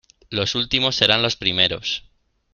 Los últimos serán los primeros.